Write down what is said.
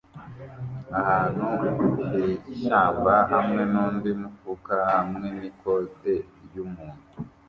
ahantu h'ishyamba hamwe nundi mufuka hamwe n ikote ryumuntu